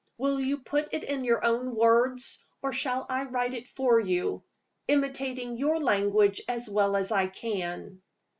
Will you put it in your own words? Or shall I write it for you, imitating your language as well as I can?"